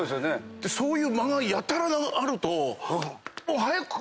そういう間がやたらあると。